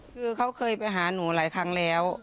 คือเขาเคยไปหาหนูหลายครั้งแล้ว